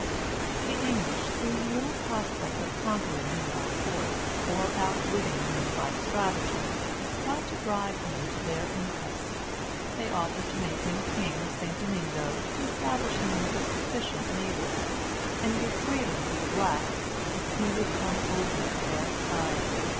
The English, seeing little prospect of conquering him by force, or outwitting him by stratagem, tried to bribe him to their interest. They offered to make him king of St. Domingo, to establish him with a sufficient naval force, and give freedom to the blacks, if he would come over to their side.